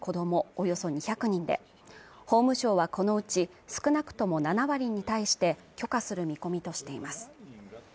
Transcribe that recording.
およそ２００人で法務省はこのうち少なくとも７割に対して許可する見込みとしています